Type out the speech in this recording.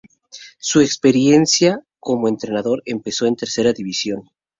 Su experiencia como entrenador empezó en Tercera División.